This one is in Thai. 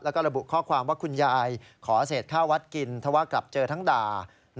และระบุข้อความว่าคุณยายขอเสร็จค่าวัดกินถ้าว่ากลับเจอทางด่า